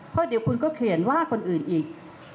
เพราะเดี๋ยวคุณก็เขียนว่าคนอื่นอีก